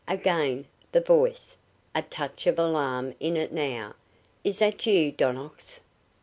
Again the voice, a touch of alarm in it now: "Is that you, Donnox?"